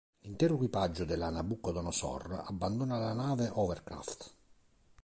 L'intero equipaggio della Nabucodonosor abbandona la nave hovercraft.